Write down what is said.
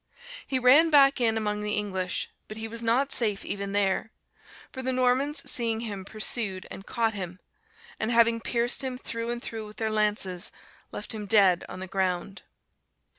He ran back in among the English, but he was not safe even there; for the Normans seeing him, pursued and caught him; and having pierced him through and through with their lances, left him dead on the ground.